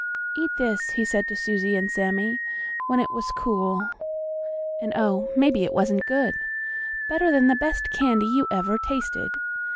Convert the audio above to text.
"Eat this," he said to Susie and Sammie, when it was cool; and, oh, maybe it wasn't good! Better than the best candy you ever tasted!